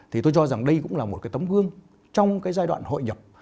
thì tôi cho rằng đây cũng là một cái tấm gương trong cái giai đoạn hội nhập